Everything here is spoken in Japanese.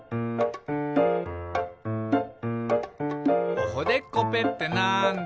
「おほでっこぺってなんだ？」